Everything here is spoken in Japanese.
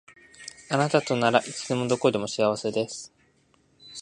あなたとならいつでもどこでも幸せです